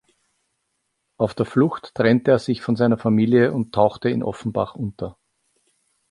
Auf der Flucht trennte er sich von seiner Familie und tauchte in Offenbach unter.